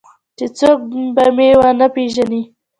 چې څوک به مې ونه پېژني.